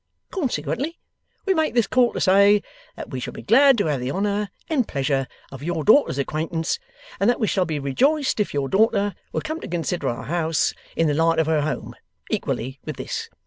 Consequently, we make this call to say, that we shall be glad to have the honour and pleasure of your daughter's acquaintance, and that we shall be rejoiced if your daughter will come to consider our house in the light of her home equally with this.